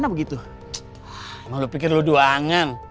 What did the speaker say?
emang lu pikir lu duangan